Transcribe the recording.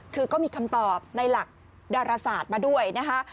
คือก็มีคำตอบในหลักดาราศาสตร์มาด้วยนะคะ